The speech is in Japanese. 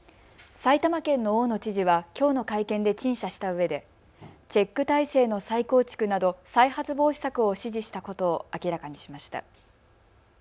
埼玉県の大野知事はきょうの会見で陳謝したうえでチェック体制の再構築など再発防止策を指示したことを明らかにしました。